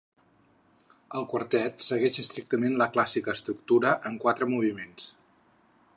El quartet segueix estrictament la clàssica estructura en quatre moviments.